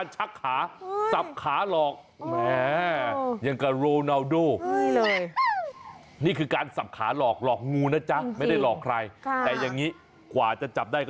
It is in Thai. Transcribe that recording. เจาะมาเป็นอย่างไร